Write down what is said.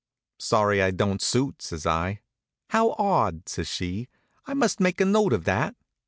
"Sorry I don't suit," says I. "How odd!" says she. "I must make a note of that."